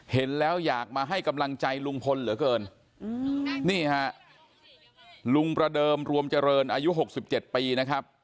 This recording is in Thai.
เห็นแล้วอยากมาให้กำลังใจลุงพลเหลือเกินนี่ฮะลุงประเดิมรวมเจริญอายุ๖๗ปีนะครับ